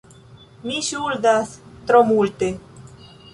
Mi ŝuldas tro multe,...